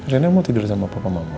nenek mau tidur sama papa mama